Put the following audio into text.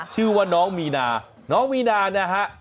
ชื่อว่าน้องมีนาน้องมีนานะฮะ